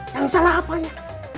yang salah apanya